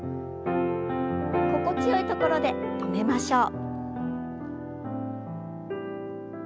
心地よいところで止めましょう。